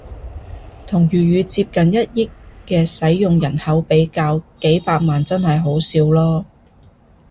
同粵語接近一億嘅使用人口比較，幾百萬真係好少囉